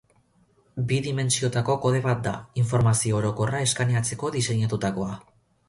Bi dimentsiotako kode bat da, informazio orokorra eskaneatzeko diseinatutakoa.